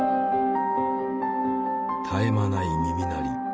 絶え間ない耳鳴り。